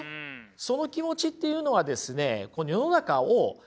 その気持ちっていうのはですね